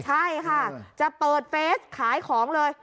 ใช่ค่ะจะเปิดเฟสขายของเลย